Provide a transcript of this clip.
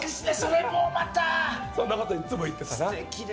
そんなことをいつも言ってたな。